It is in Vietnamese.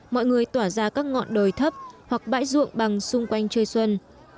mọi người tỏa ra các ngọn đồi thấp hoặc bãi ruộng bằng xung quanh chơi xuân